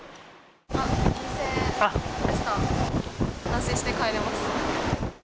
安心して帰れます。